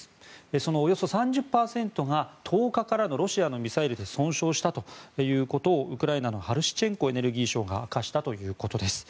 そのおよそ３０％が１０日からのロシアのミサイルで損傷したということをウクライナのハルシチェンコエネルギー相が明かしたということです。